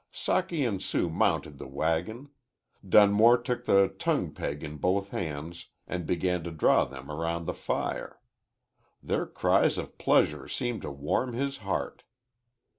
Socky and Sue mounted the wagon. Dunmore took the tongue peg in both hands and began to draw them around the fire. Their cries of pleasure seemed to warm his heart.